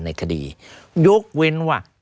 ในคดียกเว้นว่า